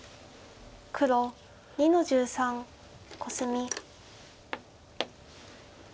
黒２の十三コスミ。